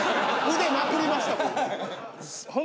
腕まくりましたもん。